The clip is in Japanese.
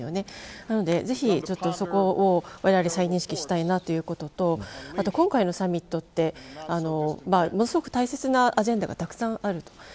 なので、ぜひそこをわれわれは再認識したいということと今回のサミットはものすごく大切なアジェンダがたくさんある。